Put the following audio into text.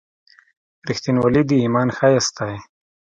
• رښتینولي د ایمان ښایست دی.